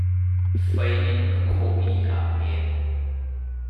Fei in an khawh i aa phet.